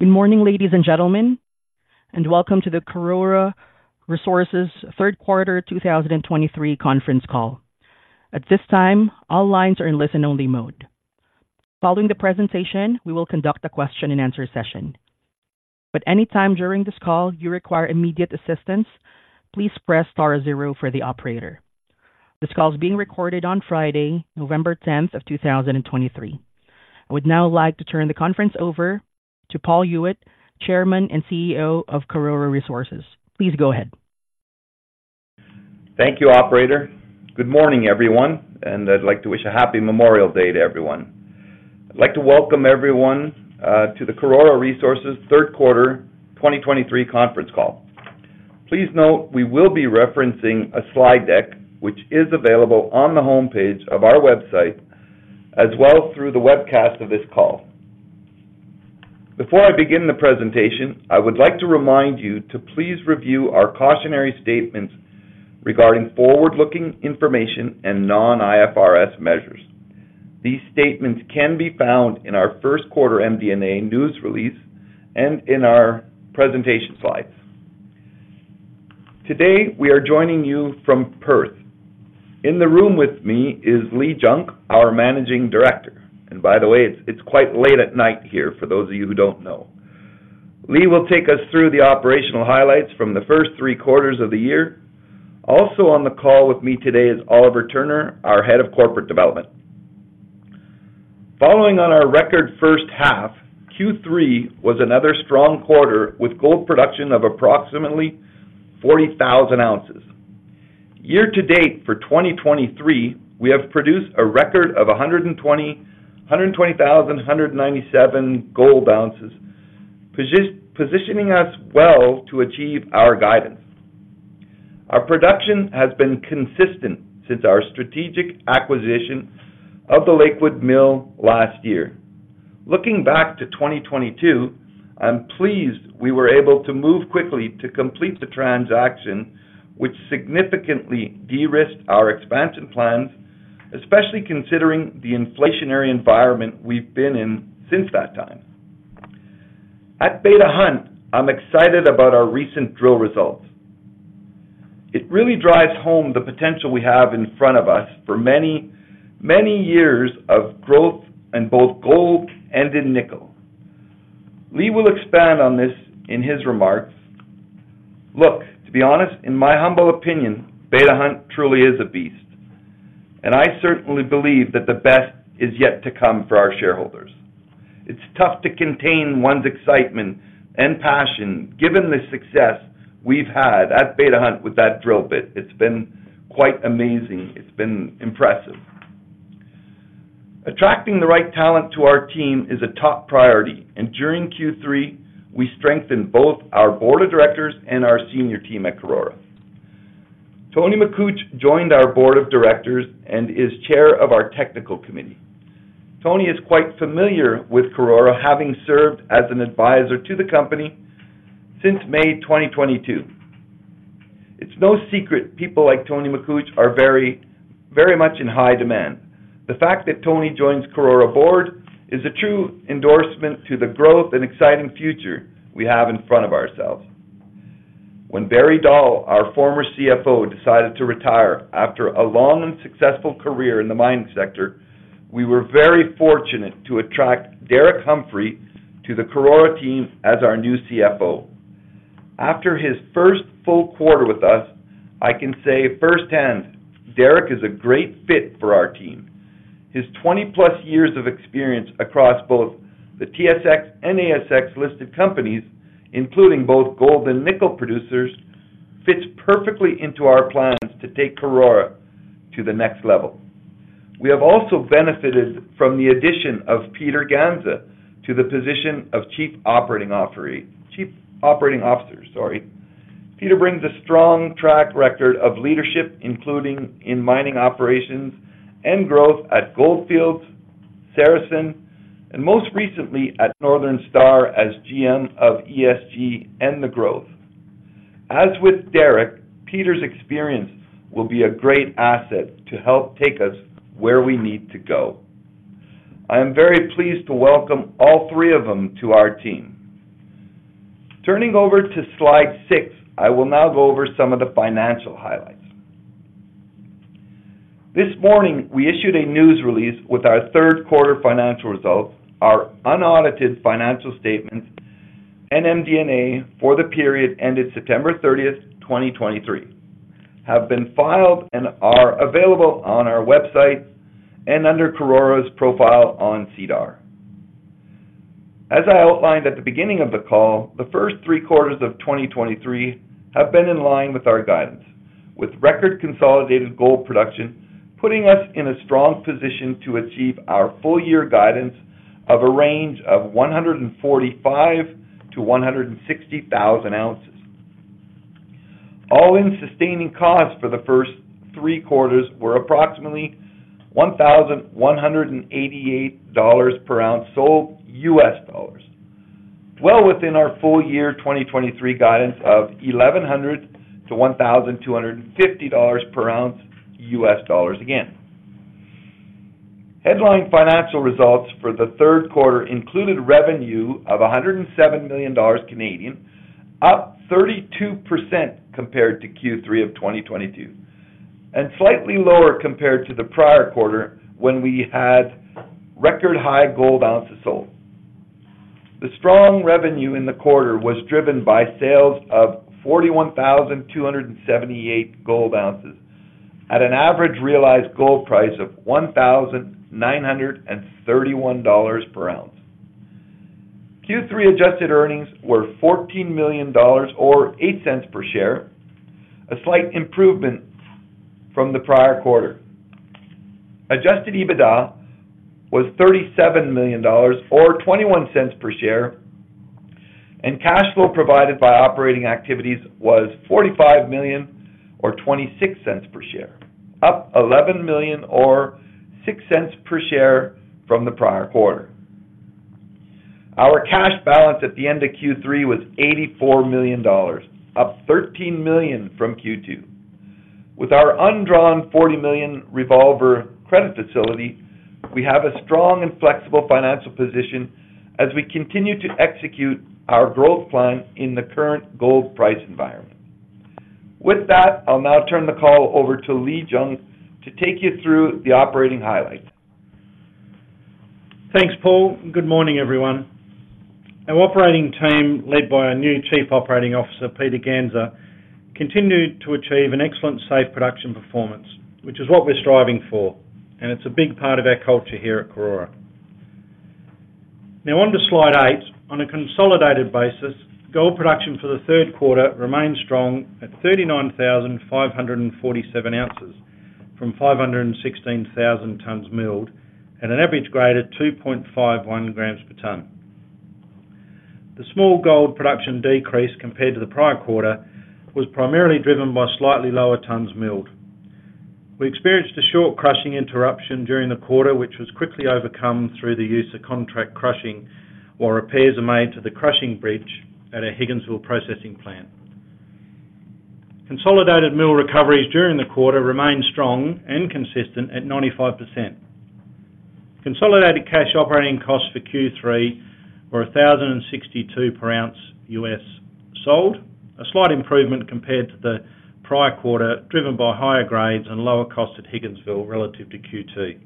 Good morning, ladies and gentlemen, and welcome to the Karora Resources Q3 2023 Conference Call. At this time, all lines are in listen-only mode. Following the presentation, we will conduct a question-and-answer session. But anytime during this call you require immediate assistance, please press star zero for the operator. This call is being recorded on Friday, November 10, 2023. I would now like to turn the conference over to Paul Huet, Chairman and CEO of Karora Resources. Please go ahead. Thank you, operator. Good morning, everyone, and I'd like to wish a happy Memorial Day to everyone. I'd like to welcome everyone to the Karora Resources Q3 2023 Conference Call. Please note, we will be referencing a slide deck, which is available on the homepage of our website, as well as through the webcast of this call. Before I begin the presentation, I would like to remind you to please review our cautionary statements regarding forward-looking information and non-IFRS measures. These statements can be found in our Q1 MD&A news release and in our presentation slides. Today, we are joining you from Perth. In the room with me is Leigh Junk, our Managing Director. And by the way, it's quite late at night here, for those of you who don't know. Leigh will take us through the operational highlights from the first three quarters of the year. Also on the call with me today is Oliver Turner, our Head of Corporate Development. Following on our record first half, Q3 was another strong quarter with gold production of approximately 40,000 ounces. Year to date for 2023, we have produced a record of 129,197 gold ounces, positioning us well to achieve our guidance. Our production has been consistent since our strategic acquisition of the Lakewood Mill last year. Looking back to 2022, I'm pleased we were able to move quickly to complete the transaction, which significantly de-risked our expansion plans, especially considering the inflationary environment we've been in since that time. At Beta Hunt, I'm excited about our recent drill results. It really drives home the potential we have in front of us for many, many years of growth in both gold and in nickel. Lee will expand on this in his remarks. Look, to be honest, in my humble opinion, Beta Hunt truly is a beast, and I certainly believe that the best is yet to come for our shareholders. It's tough to contain one's excitement and passion, given the success we've had at Beta Hunt with that drill bit. It's been quite amazing. It's been impressive. Attracting the right talent to our team is a top priority, and during Q3, we strengthened both our board of directors and our senior team at Karora. Tony Makuch joined our board of directors and is chair of our technical committee. Tony is quite familiar with Karora, having served as an advisor to the company since May 2022. It's no secret people like Tony Makuch are very, very much in high demand. The fact that Tony joins Karora board is a true endorsement to the growth and exciting future we have in front of ourselves. When Barry Dahl, our former CFO, decided to retire after a long and successful career in the mining sector, we were very fortunate to attract Derek Humphry to the Karora team as our new CFO. After his first full quarter with us, I can say firsthand, Derek is a great fit for our team. His 20+ years of experience across both the TSX and ASX-listed companies, including both gold and nickel producers, fits perfectly into our plans to take Karora to the next level. We have also benefited from the addition of Peter Ganza to the position of Chief Operating Officer, sorry. Peter brings a strong track record of leadership, including in mining operations and growth at Gold Fields, Saracen, and most recently at Northern Star as GM of ESG and the growth. As with Derek, Peter's experience will be a great asset to help take us where we need to go. I am very pleased to welcome all three of them to our team. Turning over to slide six, I will now go over some of the financial highlights. This morning, we issued a news release with our Q3 financial results, our unaudited financial statements, and MD&A for the period ended September thirtieth, 2023, have been filed and are available on our website and under Karora's profile on SEDAR. As I outlined at the beginning of the call, the first three quarters of 2023 have been in line with our guidance, with record consolidated gold production, putting us in a strong position to achieve our full-year guidance of a range of 145,000-160,000 ounces. All-in sustaining costs for the first three quarters were approximately $1,188 per ounce sold, U.S. dollars. Well within our full year 2023 guidance of $1,100-1,250 per ounce, U.S. dollars again.... Headline financial results for the Q3 included revenue of 107 million Canadian dollars, up 32% compared to Q3 of 2022, and slightly lower compared to the prior quarter, when we had record high gold ounces sold. The strong revenue in the quarter was driven by sales of 41,278 gold ounces at an average realized gold price of $1,931 per ounce. Q3 adjusted earnings were 14 million dollars or 0.08 per share, a slight improvement from the prior quarter. Adjusted EBITDA was 37 million dollars or 0.21 per share, and cash flow provided by operating activities was 45 million or 0.26 per share, up 11 million or 0.06 per share from the prior quarter. Our cash balance at the end of Q3 was 84 up 13 million from Q2. With our undrawn 40 million revolver credit facility, we have a strong and flexible financial position as we continue to execute our growth plan in the current gold price environment. With that, I'll now turn the call over to Leigh Junk to take you through the operating highlights. Thanks, Paul, and good morning, everyone. Our operating team, led by our new Chief Operating Officer, Peter Ganza, continued to achieve an excellent, safe production performance, which is what we're striving for, and it's a big part of our culture here at Karora. Now, on to slide eight. On a consolidated basis, gold production for the Q3 remained strong at 39,547 ounces, from 516,000 tons milled at an average grade of 2.51g per ton. The small gold production decrease compared to the prior quarter was primarily driven by slightly lower tons milled. We experienced a short crushing interruption during the quarter, which was quickly overcome through the use of contract crushing, while repairs are made to the crushing bridge at our Higginsville processing plant. Consolidated mill recoveries during the quarter remained strong and consistent at 95%. Consolidated cash operating costs for Q3 were $1,062 per ounce sold, a slight improvement compared to the prior quarter, driven by higher grades and lower costs at Higginsville relative to Q2.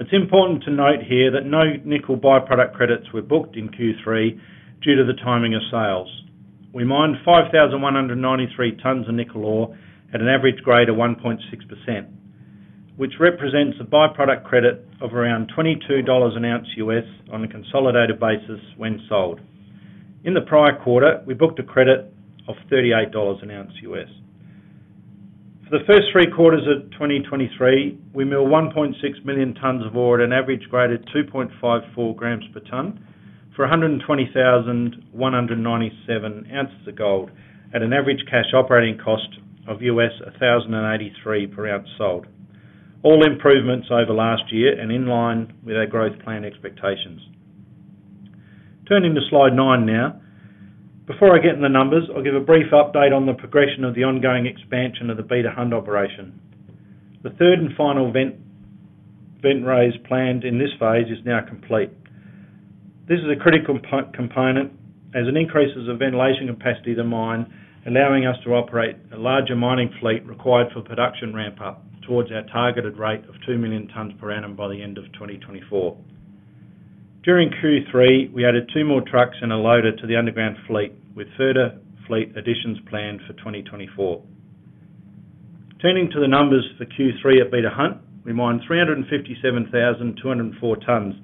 It's important to note here that no nickel byproduct credits were booked in Q3 due to the timing of sales. We mined 5,193 tons of nickel ore at an average grade of 1.6%, which represents a byproduct credit of around $22 per ounce on a consolidated basis when sold. In the prior quarter, we booked a credit of $38 per ounce. For the first three quarters of 2023, we mill 1.6 million tons of ore at an average grade of 2.54g per ton for 120,197 ounces of gold at an average cash operating cost of $1,083 per ounce sold. All improvements over last year and in line with our growth plan expectations. Turning to slide nine now. Before I get in the numbers, I'll give a brief update on the progression of the ongoing expansion of the Beta Hunt operation. The third and final vent raise planned in this phase is now complete. This is a critical component as it increases the ventilation capacity to mine, allowing us to operate a larger mining fleet required for production ramp up towards our targeted rate of 2 million tons per annum by the end of 2024. During Q3, we added two more trucks and a loader to the underground fleet, with further fleet additions planned for 2024. Turning to the numbers for Q3 at Beta Hunt, we mined 357,204 tons,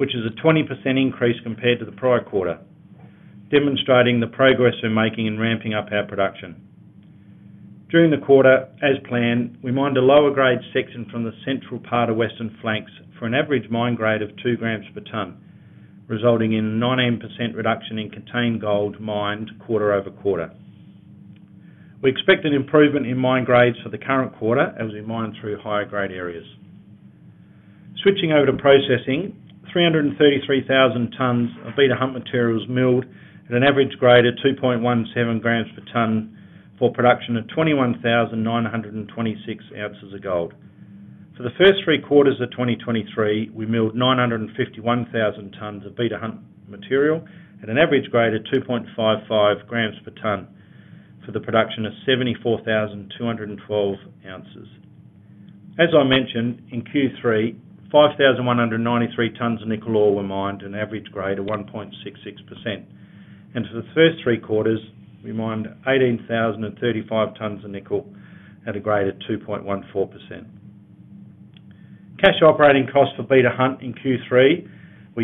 which is a 20% increase compared to the prior quarter, demonstrating the progress we're making in ramping up our production. During the quarter, as planned, we mined a lower grade section from the central part of Western Flanks for an average mine grade of two grams per ton, resulting in a 98% reduction in contained gold mined quarter-over-quarter. We expect an improvement in mine grades for the current quarter as we mine through higher grade areas. Switching over to processing, 333,000 tons of Beta Hunt material was milled at an average grade of 2.17g per ton for production of 21,926 ounces of gold. For the first three quarters of 2023, we milled 951,000 tons of Beta Hunt material at an average grade of 2.55g per ton for the production of 74,212 ounces. As I mentioned, in Q3, 5,193 tons of nickel ore were mined, an average grade of 1.66%. For the first three quarters, we mined 18,035 tons of nickel at a grade of 2.14%. Cash operating costs for Beta Hunt in Q3 were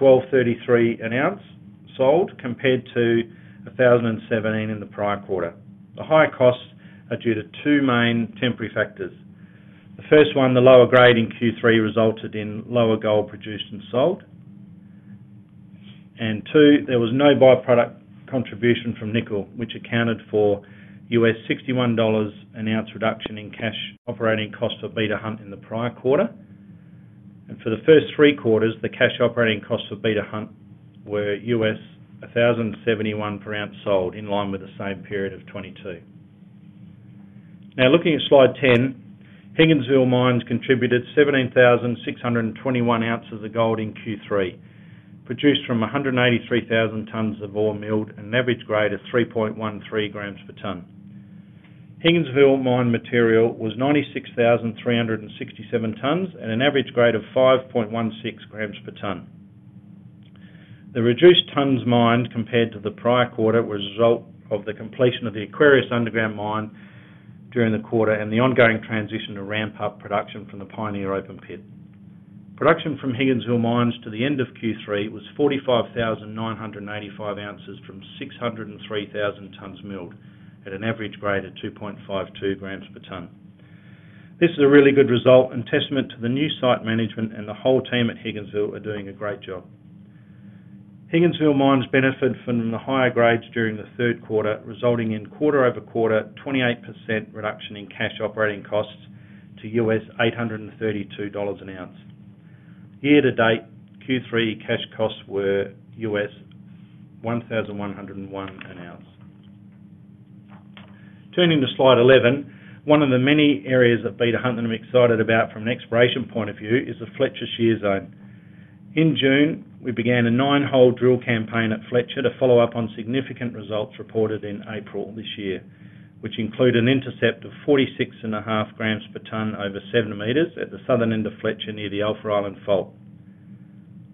$1,233 an ounce sold, compared to $1,017 in the prior quarter. The higher costs are due to two main temporary factors. The first one, the lower grade in Q3, resulted in lower gold produced and sold. And two, there was no byproduct contribution from nickel, which accounted for $61 an ounce reduction in cash operating cost for Beta Hunt in the prior quarter... For the first three quarters, the cash operating costs for Beta Hunt were $1,071 per ounce sold, in line with the same period of 2022. Now, looking at slide ten, Higginsville Mines contributed 17,621 ounces of gold in Q3, produced from 183,000 tons of ore milled, an average grade of 3.13g per ton. Higginsville Mine material was 96,367 tons at an average grade of 5.16g per ton. The reduced tons mined compared to the prior quarter was a result of the completion of the Aquarius underground mine during the quarter and the ongoing transition to ramp up production from the Pioneer open pit. Production from Higginsville Mines to the end of Q3 was 45,985 ounces from 603,000 tons milled, at an average grade of 2.52g per ton. This is a really good result and testament to the new site management, and the whole team at Higginsville are doing a great job. Higginsville Mines benefited from the higher grades during the Q3, resulting in quarter-over-quarter 28% reduction in cash operating costs to $832 an ounce. Year to date, Q3 cash costs were $1,101 an ounce. Turning to slide 11, one of the many areas that Beta Hunt, I'm excited about from an exploration point of view is the Fletcher Shear Zone. In June, we began a 9-hole drill campaign at Fletcher to follow up on significant results reported in April this year, which include an intercept of 46.5g per ton over 7m at the southern end of Fletcher, near the Alpha Island Fault.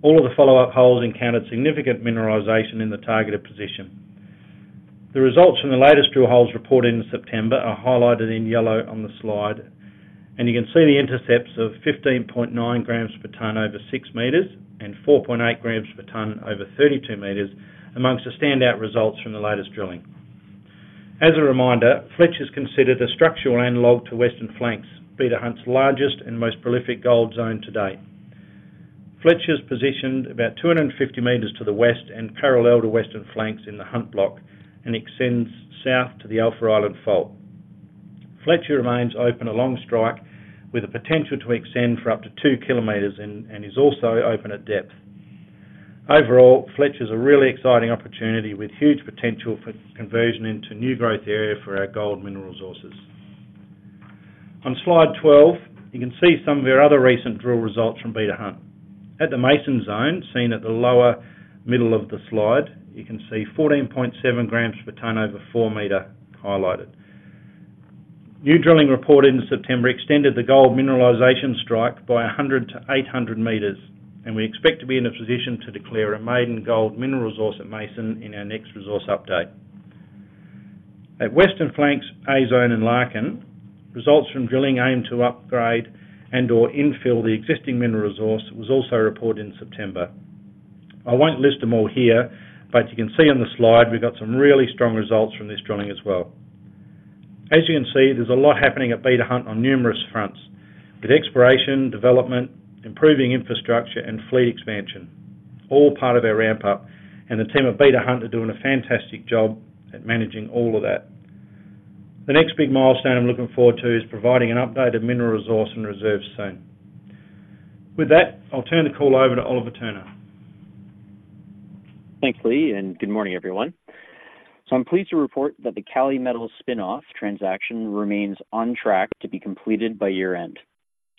All of the follow-up holes encountered significant mineralization in the targeted position. The results from the latest drill holes reported in September are highlighted in yellow on the slide, and you can see the intercepts of 15.9g per ton over 6m and 4.8g per ton over 32m, among the standout results from the latest drilling. As a reminder, Fletcher's considered a structural analog to Western Flanks, Beta Hunt's largest and most prolific gold zone to date. Fletcher is positioned about 250m to the west and parallel to Western Flanks in the Hunt Block and extends south to the Alpha Island Fault. Fletcher remains open along strike, with the potential to extend for up to 2km and is also open at depth. Overall, Fletcher is a really exciting opportunity with huge potential for conversion into new growth area for our gold mineral resources. On slide 12, you can see some of our other recent drill results from Beta Hunt. At the Mason Zone, seen at the lower middle of the slide, you can see 14.7g per ton over 4m highlighted. New drilling reported in September extended the gold mineralization strike by 100-800m, and we expect to be in a position to declare a maiden gold mineral resource at Mason in our next resource update. At Western Flanks, A Zone and Larkin, results from drilling aimed to upgrade and/or infill the existing mineral resource was also reported in September. I won't list them all here, but you can see on the slide we've got some really strong results from this drilling as well. As you can see, there's a lot happening at Beta Hunt on numerous fronts, with exploration, development, improving infrastructure, and fleet expansion, all part of our ramp up, and the team at Beta Hunt are doing a fantastic job at managing all of that. The next big milestone I'm looking forward to is providing an updated mineral resource and reserve soon. With that, I'll turn the call over to Oliver Turner. Thanks, Leigh, and good morning, everyone. I'm pleased to report that the Kali Metals spin-off transaction remains on track to be completed by year-end.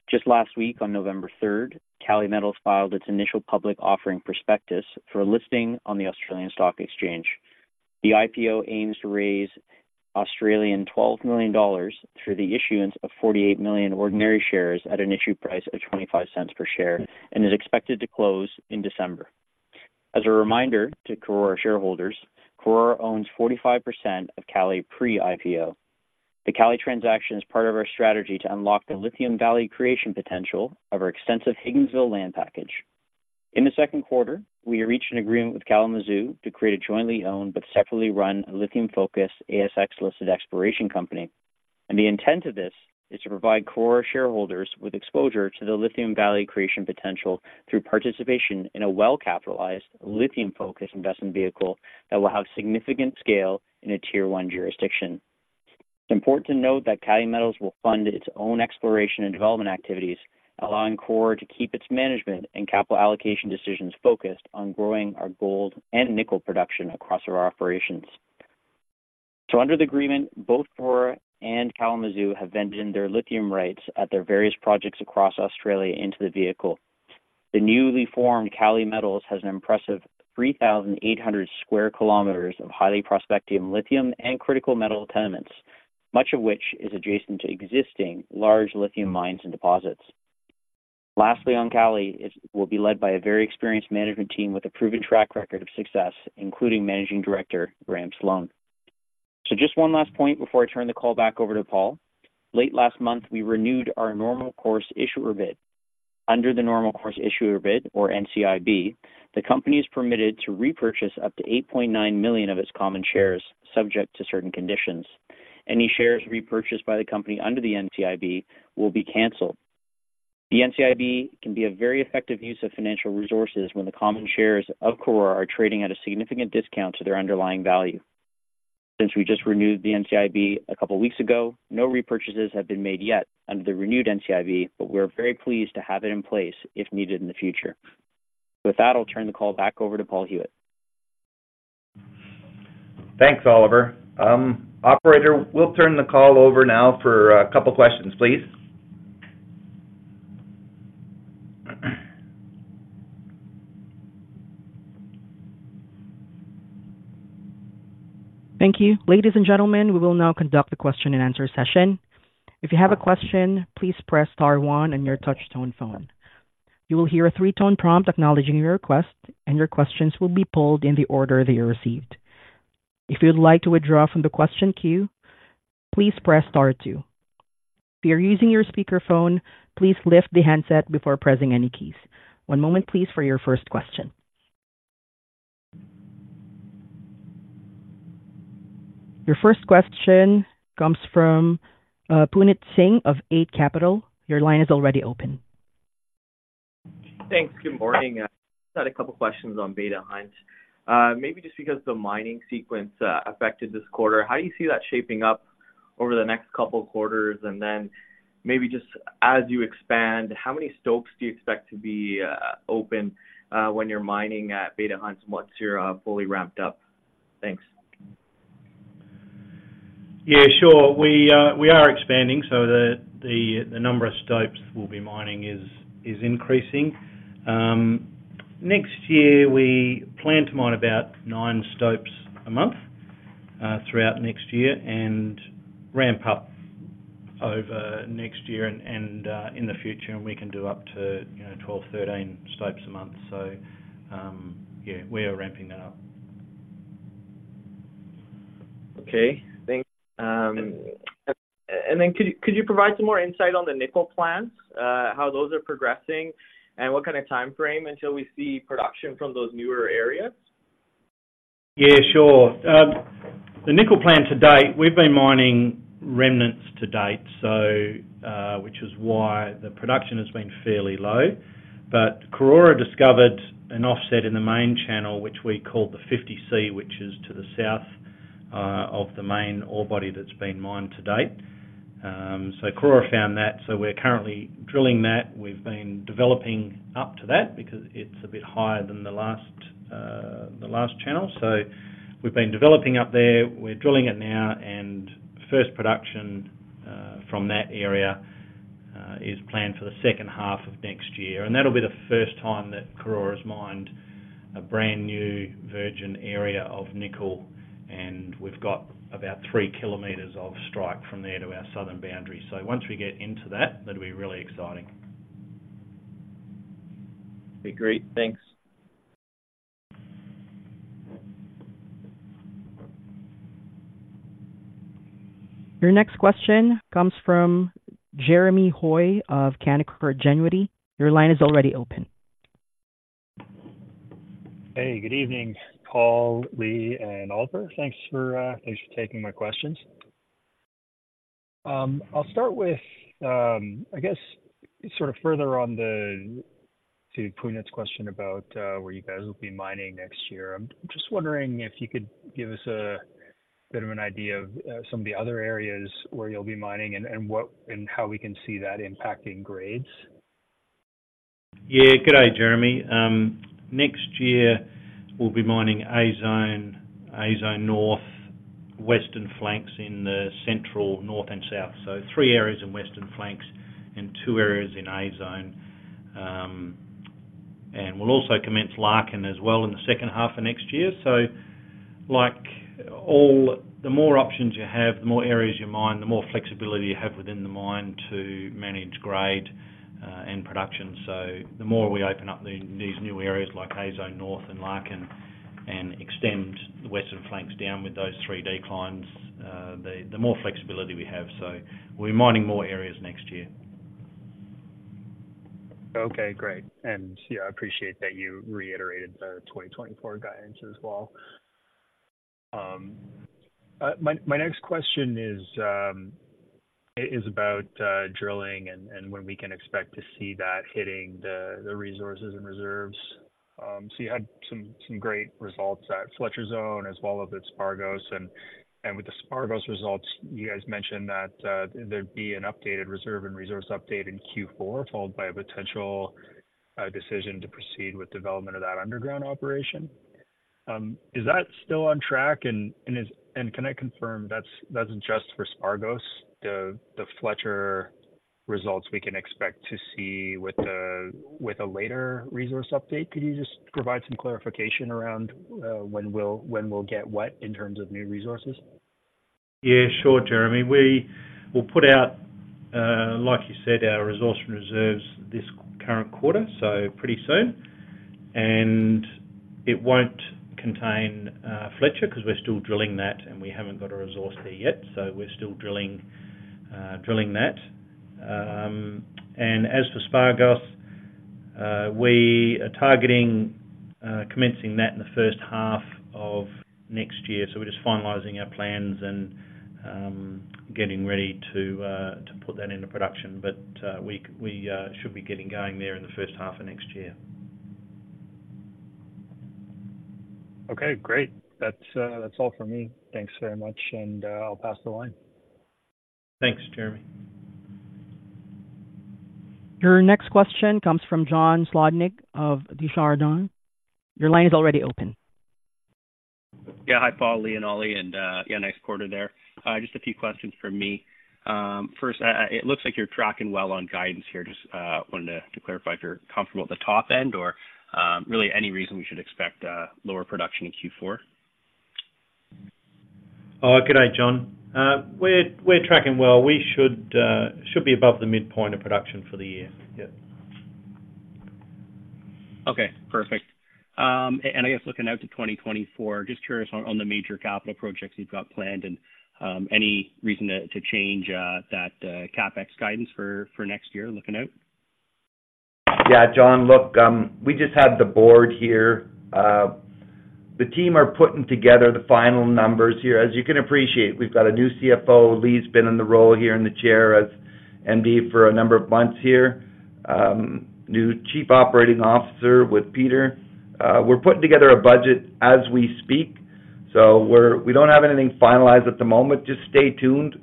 Just last week, on November third, Kali Metals filed its initial public offering prospectus for a listing on the Australian Stock Exchange. The IPO aims to raise 12 million Australian dollars through the issuance of 48 million ordinary shares at an issue price of 0.25 per share and is expected to close in December. As a reminder to Karora shareholders, Karora owns 45% of Kali pre-IPO. The Kali transaction is part of our strategy to unlock the lithium value creation potential of our extensive Higginsville land package. In the second quarter, we reached an agreement with Kalamazoo to create a jointly owned but separately run, lithium-focused ASX-listed exploration company. The intent of this is to provide Karora shareholders with exposure to the lithium value creation potential through participation in a well-capitalized, lithium-focused investment vehicle that will have significant scale in a Tier One jurisdiction. It's important to note that Kali Metals will fund its own exploration and development activities, allowing Karora to keep its management and capital allocation decisions focused on growing our gold and nickel production across our operations. Under the agreement, both Karora and Kalamazoo have ventured in their lithium rights at their various projects across Australia into the vehicle. The newly formed Kali Metals has an impressive 3,800 sq km of highly prospective lithium and critical metal tenements, much of which is adjacent to existing large lithium mines and deposits. Lastly, on Kali, it will be led by a very experienced management team with a proven track record of success, including Managing Director, Graeme Sloane. So just one last point before I turn the call back over to Paul. Late last month, we renewed our normal course issuer bid. Under the normal course issuer bid, or NCIB, the company is permitted to repurchase up to 8.9 million of its common shares, subject to certain conditions. Any shares repurchased by the company under the NCIB will be canceled. The NCIB can be a very effective use of financial resources when the common shares of Karora are trading at a significant discount to their underlying value. Since we just renewed the NCIB a couple weeks ago, no repurchases have been made yet under the renewed NCIB, but we're very pleased to have it in place if needed in the future. With that, I'll turn the call back over to Paul Huet. Thanks, Oliver. Operator, we'll turn the call over now for a couple questions, please. Thank you. Ladies and gentlemen, we will now conduct the question and answer session. If you have a question, please press star one on your touchtone phone. You will hear a three-tone prompt acknowledging your request, and your questions will be pulled in the order they are received. If you'd like to withdraw from the question queue, please press star two. If you're using your speakerphone, please lift the handset before pressing any keys. One moment, please, for your first question. Your first question comes from Puneet Singh of Eight Capital. Your line is already open. Thanks. Good morning. I just had a couple questions on Beta Hunt. Maybe just because the mining sequence affected this quarter, how do you see that shaping up over the next couple quarters? And then maybe just as you expand, how many stopes do you expect to be open when you're mining at Beta Hunt once you're fully ramped up? Thanks. Yeah, sure. We are expanding, so the number of stopes we'll be mining is increasing. Next year, we plan to mine about nine stopes a month throughout next year and ramp up over next year and in the future, and we can do up to, you know, 12, 13 stopes a month. So, yeah, we are ramping that up. Okay, thanks. And then could you provide some more insight on the nickel plans, how those are progressing, and what kind of timeframe until we see production from those newer areas? Yeah, sure. The nickel plan to date, we've been mining remnants to date, so, which is why the production has been fairly low. But Karora discovered an offset in the main channel, which we call the 50C, which is to the south, of the main ore body that's been mined to date. So Karora found that, so we're currently drilling that. We've been developing up to that because it's a bit higher than the last, the last channel. So we've been developing up there. We're drilling it now, and first production, from that area, is planned for the second half of next year, and that'll be the first time that Karora's mined a brand-new, virgin area of nickel, and we've got about three kilometers of strike from there to our southern boundary. So once we get into that, that'll be really exciting. Be great. Thanks. Your next question comes from Jeremy Hoy of Canaccord Genuity. Your line is already open. Hey, good evening, Paul, Leigh, and Oliver. Thanks for, thanks for taking my questions. I'll start with, I guess, sort of further on the, to Puneet's question about, where you guys will be mining next year. I'm just wondering if you could give us a bit of an idea of, some of the other areas where you'll be mining and, and what, and how we can see that impacting grades. Yeah. Good day, Jeremy. Next year, we'll be mining A Zone, A Zone North, Western Flanks in the central north and south. So three areas in Western Flanks and two areas in A Zone. And we'll also commence Larkin as well in the second half of next year. So like all the more options you have, the more areas you mine, the more flexibility you have within the mine to manage grade and production. So the more we open up these new areas like A Zone North and Larkin and extend the Western Flanks down with those three declines, the more flexibility we have. So we're mining more areas next year. Okay, great. And yeah, I appreciate that you reiterated the 2024 guidance as well. My next question is about drilling and when we can expect to see that hitting the resources and reserves. So you had some great results at Fletcher Zone as well as at Spargos. And with the Spargos results, you guys mentioned that there'd be an updated reserve and resource update in Q4, followed by a potential decision to proceed with development of that underground operation. Is that still on track? And can I confirm that's just for Spargos, the Fletcher results we can expect to see with a later resource update? Could you just provide some clarification around when we'll get what in terms of new resources? Yeah, sure, Jeremy. We will put out, like you said, our resource and reserves this current quarter, so pretty soon. And it won't contain Fletcher because we're still drilling that, and we haven't got a resource there yet, so we're still drilling that. And as for Spargos, we are targeting commencing that in the first half of next year. So we're just finalizing our plans and getting ready to put that into production. But we should be getting going there in the first half of next year. Okay, great. That's, that's all for me. Thanks very much, and, I'll pass the line. Thanks, Jeremy. Your next question comes from John Sclodnick of Desjardins. Your line is already open. Yeah. Hi, Paul, Lee, and Ollie, and yeah, nice quarter there. Just a few questions from me. First, it looks like you're tracking well on guidance here. Just wanted to clarify if you're comfortable at the top end or really any reason we should expect lower production in Q4? Good day, John. We're tracking well. We should be above the midpoint of production for the year. Yeah. Okay, perfect. And I guess looking out to 2024, just curious on the major capital projects you've got planned and, any reason to change that CapEx guidance for next year, looking out? Yeah, John, look, we just had the board here. The team are putting together the final numbers here. As you can appreciate, we've got a new CFO. Leigh's been in the role here in the chair as MD for a number of months here. New Chief Operating Officer with Peter. We're putting together a budget as we speak, so we're... We don't have anything finalized at the moment. Just stay tuned.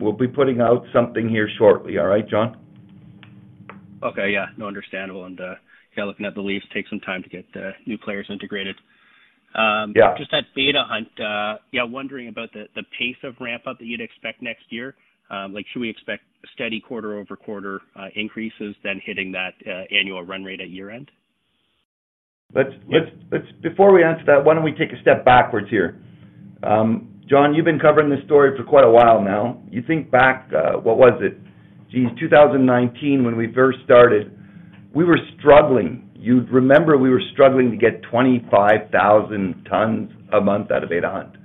We'll be putting out something here shortly. All right, John? Okay. Yeah, no, understandable. And, yeah, looking at the leaves, take some time to get the new players integrated. Yeah.... just that Beta Hunt, yeah, wondering about the pace of ramp-up that you'd expect next year. Like, should we expect steady quarter-over-quarter increases than hitting that annual run rate at year-end? Let's before we answer that, why don't we take a step backwards here? John, you've been covering this story for quite a while now. You think back, what was it? Geez, 2019, when we first started, we were struggling. You'd remember we were struggling to get 25,000 tons a month out of Beta Hunt.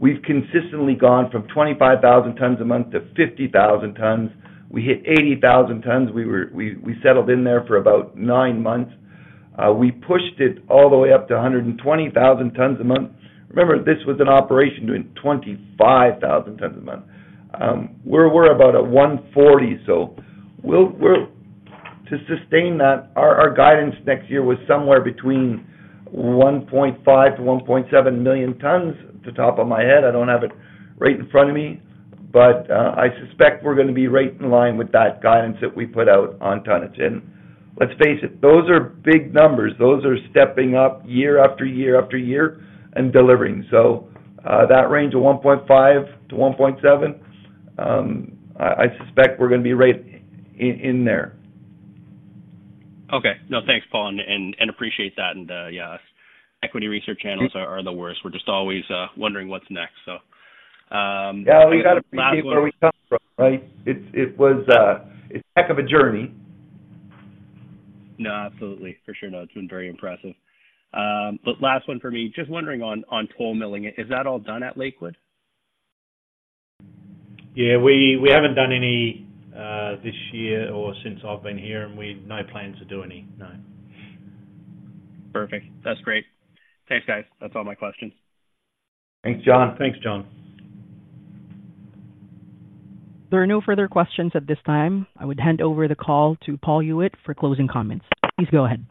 We've consistently gone from 25,000 tons a month to 50,000 tons. We hit 80,000 tons. We settled in there for about nine months. We pushed it all the way up to 120,000 tons a month. Remember, this was an operation doing 25,000 tons a month. We're about at 140, so we'll... To sustain that, our guidance next year was somewhere between 1.5-1.7 million tons, the top of my head, I don't have it right in front of me, but I suspect we're gonna be right in line with that guidance that we put out on tonnage. And let's face it, those are big numbers. Those are stepping up year after year after year and delivering. So that range of 1.5-1.7, I suspect we're gonna be right in there. Okay. No, thanks, Paul, and appreciate that. And yeah, equity research channels are the worst. We're just always wondering what's next, so- Yeah, we got to see where we come from, right? It's, it was, it's a heck of a journey. No, absolutely. For sure. No, it's been very impressive. But last one for me. Just wondering on, on toll milling, is that all done at Lakewood? Yeah, we haven't done any this year or since I've been here, and we've no plans to do any. No. Perfect. That's great. Thanks, guys. That's all my questions. Thanks, John. Thanks, John. There are no further questions at this time. I would hand over the call to Paul Huet for closing comments. Please go ahead.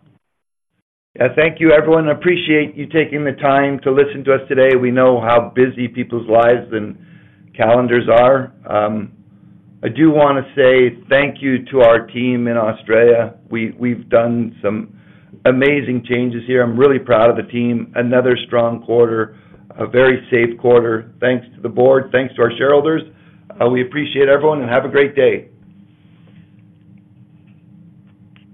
Yeah. Thank you, everyone. I appreciate you taking the time to listen to us today. We know how busy people's lives and calendars are. I do want to say thank you to our team in Australia. We, we've done some amazing changes here. I'm really proud of the team. Another strong quarter, a very safe quarter. Thanks to the board, thanks to our shareholders. We appreciate everyone, and have a great day.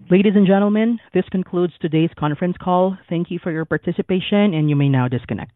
Ladies and gentlemen, this concludes today's conference call. Thank you for your participation, and you may now disconnect.